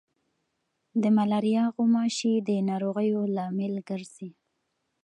د ملاریا غوماشي د ناروغیو لامل ګرځي.